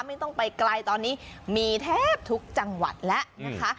ไม่ต้องไปไกลตอนนี้มีแทบทุกจังหวัดแล้วนะคะ